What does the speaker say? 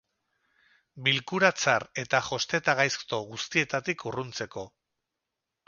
Bilkura tzar eta josteta gaizto guztietatik urruntzeko.